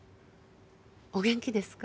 お元気ですか？